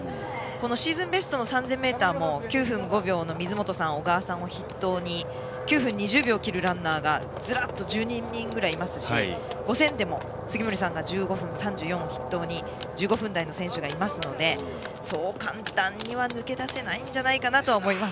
シーズンベストの３０００ｍも９分５秒の水本さん、小川さんを筆頭に９分２０秒を切るランナーがズラッと１２人ぐらいいますし５０００でも杉森さんが１５分３４を筆頭に１５分台の選手がいるのでそう簡単には抜け出せないんじゃないかなと思います。